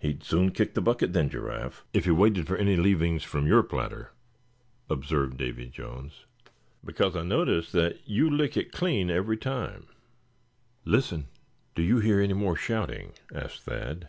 "He'd soon kick the bucket, then, Giraffe, if he waited for any leavings from your platter," observed Davy Jones; "because I notice that you lick it clean every time." "Listen, do you hear any more shouting?" asked Thad.